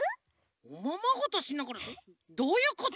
おままごとしながらどういうこと？